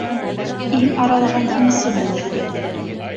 Ил аралаған һынсы булыр